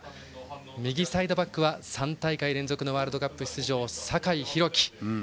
右サイドバックは３大会連続のワールドカップ出場の酒井宏樹。